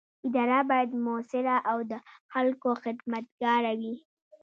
اداره باید مؤثره او د خلکو خدمتګاره وي.